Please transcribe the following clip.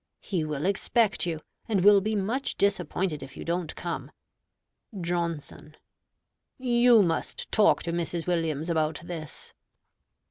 He will expect you, and will be much disappointed if you don't come. Johnson You must talk to Mrs. Williams about this.